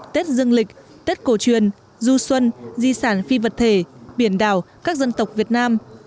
tết dương lịch tết cổ truyền du xuân di sản phi vật thể biển đảo các dân tộc việt nam